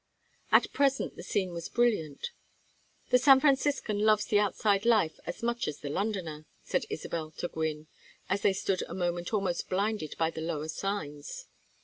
At present the scene was brilliant. "The San Franciscan loves the outside life as much as the Londoner," said Isabel to Gwynne, as they stood a moment almost blinded by the lower signs.